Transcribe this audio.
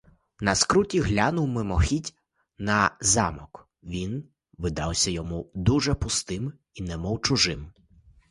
На скруті глянув мимохіть на замок: він видався йому дуже пустим і немов чужим.